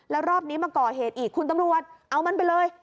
แล้วรอบนี้มาก่อเหตุอีกคุณตำรวจเอามันไปเลย